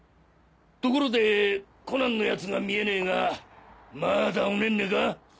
ところでコナンの奴が見えねぇがまだおねんねか？